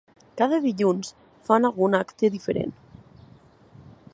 Cada dilluns fan algun acte diferent.